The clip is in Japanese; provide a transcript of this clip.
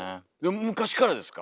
昔からですか？